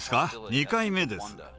２回目です。